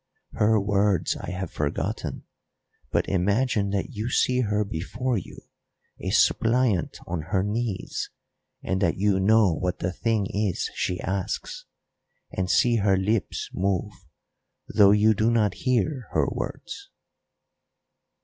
Her words I have forgotten, but imagine that you see her before you a suppliant on her knees, and that you know what the thing is she asks, and see her lips move, though you do not hear her words."